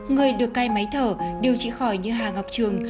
người được cai máy thở điều trị khỏi như hà ngọc trường